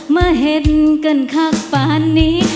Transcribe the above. มาเห็นกันคักป่านนี้